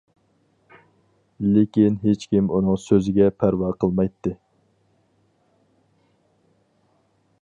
لېكىن ھېچكىم ئۇنىڭ سۆزىگە پەرۋا قىلمايتتى.